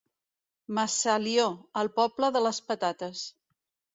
Massalió, el poble de les patates.